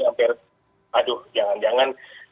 hampir aduh jangan jangan